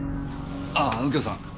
あぁ右京さん。